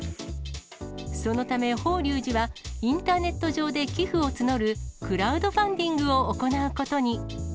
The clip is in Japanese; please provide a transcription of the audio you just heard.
そのため、法隆寺はインターネット上で寄付を募るクラウドファンディングを行うことに。